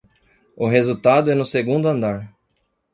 O resultado é no segundo andar